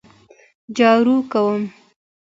جارو کوم